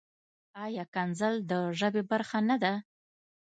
ایا کنځل د ژبې برخه نۀ ده؟